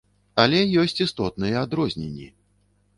Але ёсць істотныя адрозненні.